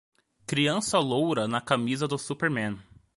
Criança loura na camisa do superman.